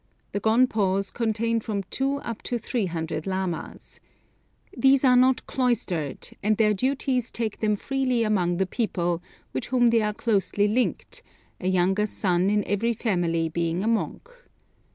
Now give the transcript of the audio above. The gonpos contain from two up to three hundred lamas. These are not cloistered, and their duties take them freely among the people, with whom they are closely linked, a younger son in every family being a monk.